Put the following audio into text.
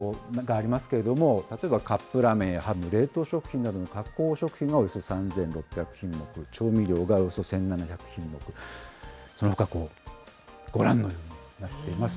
値上げの背景、小麦や食用油はじめ、原材料の高騰がありますけれども、例えばカップラーメンやハム、冷凍食品などの加工食品がおよそ３６００品目、調味料がおよそ１７００品目、そのほかご覧のようになっています。